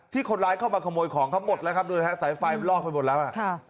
คนร้ายเข้ามาขโมยของเขาหมดแล้วครับดูฮะสายไฟมันลอกไปหมดแล้ว